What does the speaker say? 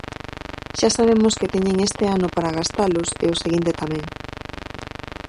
Xa sabemos que teñen este ano para gastalos e o seguinte tamén.